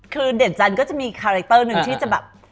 คือเด่นจันทร์ก็จะมีคาแรคเตอร์หนึ่งที่จะแบบ